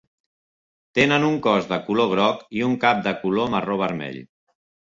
Tenen un cos de color groc i un cap de color marró vermell.